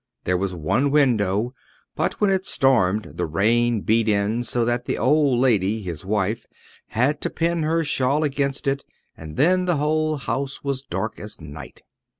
There was one window; but when it stormed the rain beat in so that the old lady, his wife, had to pin her shawl against it, and then the whole house was dark as night.